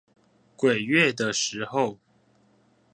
鬼月的時候